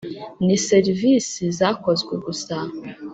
ni serivisi zakozwe gusa